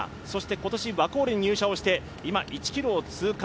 今年ワコールに入社して１ｋｍを通過。